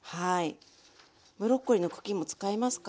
ブロッコリーの茎も使いますか？